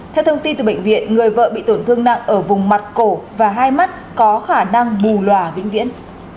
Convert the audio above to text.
theo thông tin từ bệnh viện người vợ bị tổn thương nặng ở vùng mặt cổ và hai mắt có khả năng bù lòa vĩnh viễn